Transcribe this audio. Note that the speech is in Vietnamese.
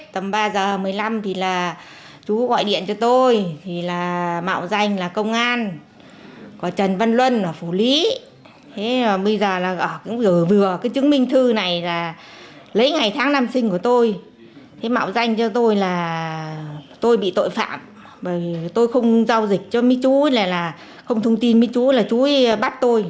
tôi bị tội phạm tôi không giao dịch cho mấy chú không thông tin mấy chú là chú bắt tôi